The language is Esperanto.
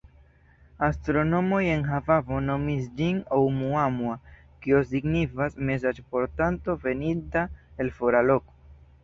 Astronomoj en Havajo nomis ĝin Oumuamua, kio signifas “mesaĝportanto veninta el fora loko”.